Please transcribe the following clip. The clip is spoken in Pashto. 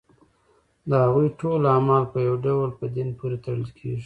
د هغوی ټول اعمال په یو ډول په دین پورې تړل کېږي.